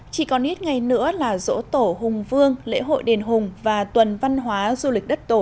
chỉ còn ít ngày nữa là dỗ tổ hùng vương lễ hội đền hùng và tuần văn hóa du lịch đất tổ